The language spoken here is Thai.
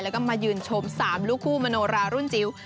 แล้วก็มายืนชม๓ลูกคู่มโนรารุ่นจิ๋ว